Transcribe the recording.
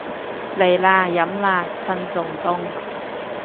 嚟啦，飲啦，趁仲凍